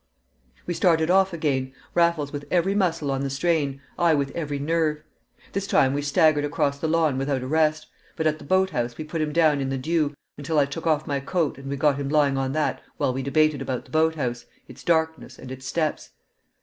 We started off again, Raffles with every muscle on the strain, I with every nerve; this time we staggered across the lawn without a rest, but at the boathouse we put him down in the dew, until I took off my coat and we got him lying on that while we debated about the boathouse, its darkness, and its steps.